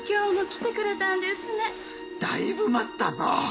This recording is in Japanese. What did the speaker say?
だいぶ待ったぞ！